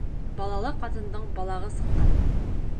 Балалы ҡатындың балағы сыҡҡан.